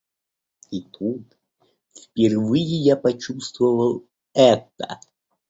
И тут впервые я почувствовал это.